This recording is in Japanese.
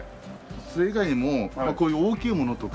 それ以外にもこういう大きいものとか。